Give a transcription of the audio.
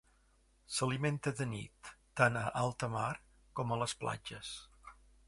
S'alimenta de nit, tant a alta mar com a les platges.